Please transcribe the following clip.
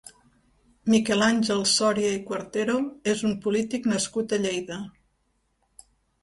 Miquel Àngel Sòria i Cuartero és un polític nascut a Lleida.